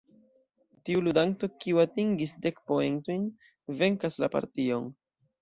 Tiu ludanto, kiu atingis dek poentojn, venkas la partion.